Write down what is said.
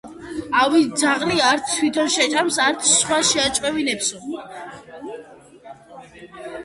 ავი ძაღლი, არც თითონ შეჭამს, არც სხვას შეაჭმევსო.